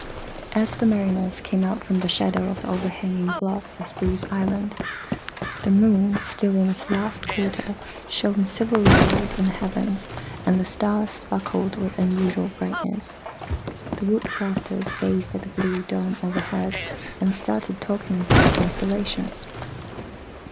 As the mariners came out from the shadow of the overhanging bluffs of Spruce Island the moon, still in its last quarter, shone silvery white in the heavens and the stars sparkled with unusual brightness. The Woodcrafters gazed at the blue dome overhead, and started talking about the constellations.